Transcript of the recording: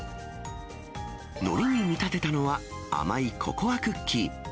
のりに見立てたのは甘いココアクッキー。